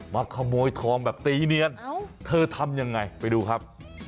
มาขโมยทองแบบตีเนียนเธอทำยังไงไปดูครับ